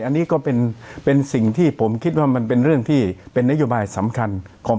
อันนี้ก็เป็นเป็นสิ่งที่ผมคิดว่ามันเป็นเรื่องที่เป็นนโยบายสำคัญของ